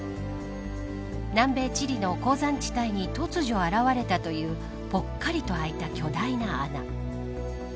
南米チリの鉱山地帯に突如現れたというぽっかりと空いた巨大な穴。